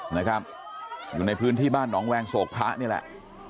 นะครับอยู่ในพื้นที่บ้านหนองแวงโศกพระนี่แหละ